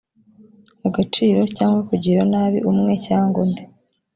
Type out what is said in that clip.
agaciro cyangwa kugirira nabi umwe cyangwa undi